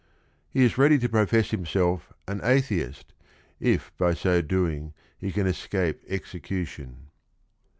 " He is ready to profess himself an "atheist" if by so doing he can escape execution.